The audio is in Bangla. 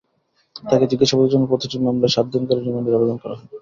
তাঁকে জিজ্ঞাসাবাদের জন্য প্রতিটি মামলায় সাত দিন করে রিমান্ডের আবেদন করা হয়।